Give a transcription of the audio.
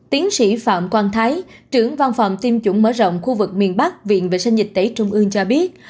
tiến sĩ phạm quang thái trưởng văn phòng tiêm chủng mở rộng khu vực miền bắc viện vệ sinh dịch tễ trung ương cho biết